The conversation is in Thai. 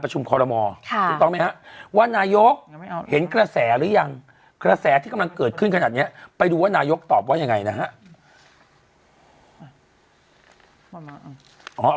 เห็นกระแสหรือยังกระแสที่กำลังเกิดขึ้นขนาดเนี้ยไปดูว่านายกตอบว่ายังไงนะฮะ